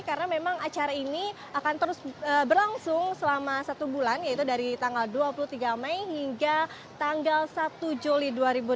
karena memang acara ini akan terus berlangsung selama satu bulan yaitu dari tanggal dua puluh tiga mei hingga tanggal satu juli dua ribu delapan belas